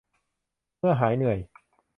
เมื่อหายเหนื่อย